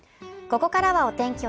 ここからはお天気